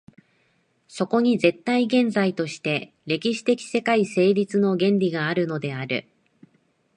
そこに絶対現在として歴史的世界成立の原理があるのである。